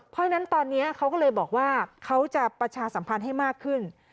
เพราะฉะนั้นตอนนี้เขาก็เลยบอกว่าเขาจะประชาสัมพันธ์ให้มากขึ้น